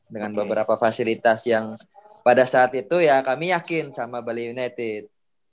dengan beberapa fasilitas yang pada saat itu ya kami yakin sama bali united